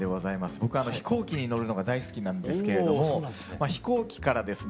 僕は飛行機に乗るのが大好きなんですけれども飛行機からですね